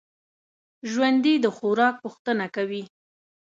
ژوندي د خوراک پوښتنه کوي